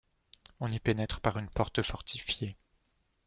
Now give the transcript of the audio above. On y pénètre par une porte fortifiée.